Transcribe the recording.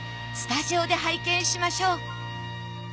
スタジオで拝見しましょう！